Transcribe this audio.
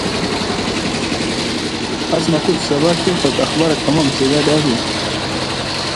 According to the "Suda", he was of the Jewish faith.